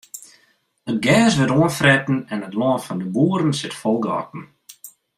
It gers wurdt oanfretten en it lân fan de boeren sit fol gatten.